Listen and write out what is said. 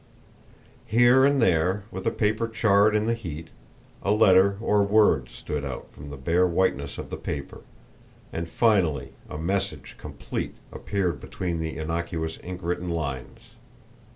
Here and there, where the paper charred in the heat, a letter or word stood out from the bare whiteness of the paper, and finally, a message complete appeared between the innocuous ink written lines.